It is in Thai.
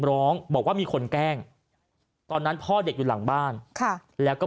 ร้องบอกว่ามีคนแกล้งตอนนั้นพ่อเด็กอยู่หลังบ้านค่ะแล้วก็